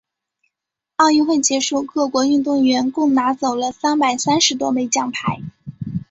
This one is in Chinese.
奥运会结束，各国运动员共拿走了三百三十多枚奖牌。